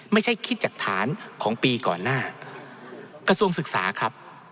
ไม่ใช่คิดจากฐานของปีก่อนหน้ากระทรวงศึกษาครับ